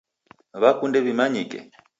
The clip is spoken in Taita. W'akunde w'imanyike